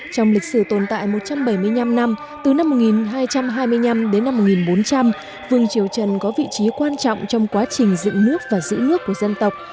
trong lịch sử tồn tại một trăm bảy mươi năm năm từ năm một nghìn hai trăm hai mươi năm đến năm một nghìn bốn trăm linh vương triều trần có vị trí quan trọng trong quá trình dựng nước và giữ nước của dân tộc